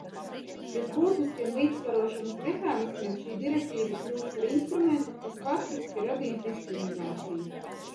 Bez būtiskiem līdzsvarošanas mehānismiem šī direktīva kļūs par instrumentu, kas faktiski radīs diskrimināciju.